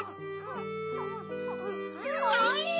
おいしい！